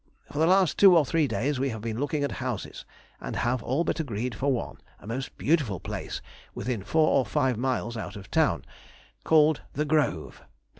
_] For the last two or three days we have been looking at houses, and have all but agreed for one, a most beautiful place within four or five miles out of town, called "The Grove."